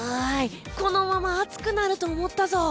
このまま暑くなると思ったぞ！